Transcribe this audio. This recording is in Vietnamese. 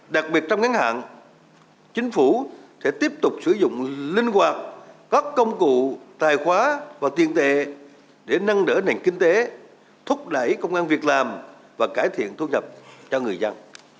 đặc biệt trong ngắn hạn chính phủ sẽ tiếp tục sử dụng linh hoạt các công cụ tài khóa và tiền tệ để nâng đỡ nền kinh tế thúc đẩy công an việc làm và cải thiện thu nhập cho người dân